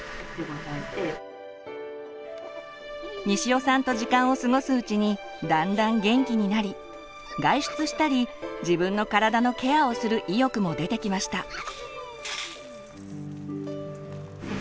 西尾さんと時間を過ごすうちにだんだん元気になり外出したり自分の体のケアをする意欲も出てきました。